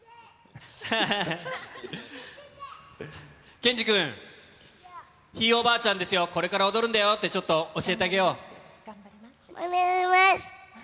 ケンジくん、ひいおばあちゃんですよ、これから踊るんだよってちょっと教えて頑張ります。